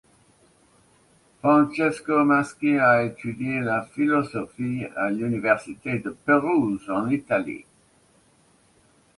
Francesco Masci a étudié la philosophie à l'Université de Pérouse en Italie.